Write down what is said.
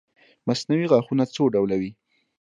مصنوعي غاښونه څو ډوله وي